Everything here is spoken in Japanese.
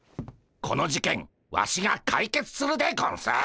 この事件ワシが解決するでゴンス。